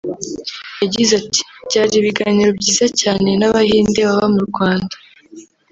yagize ati “Byari ibiganiro byiza cyane n’Abahinde baba mu Rwanda